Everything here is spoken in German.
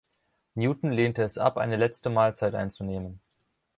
Newton lehnte es ab, eine letzte Mahlzeit einzunehmen.